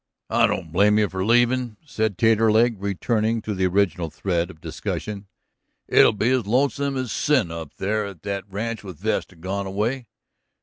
"I don't blame you for leavin'," said Taterleg, returning to the original thread of discussion, "it'll be as lonesome as sin up there at the ranch with Vesta gone away.